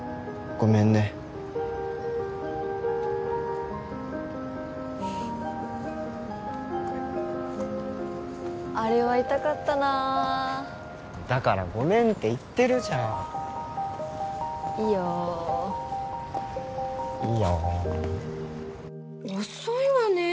ごめんねあれは痛かったなだからごめんって言ってるじゃんいいよいいよ遅いわね